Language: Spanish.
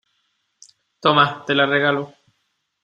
toma, te la regalo.